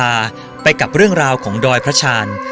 มาเติมพลังศรัทธาไปกับเรื่องราวของดอยพระชาญ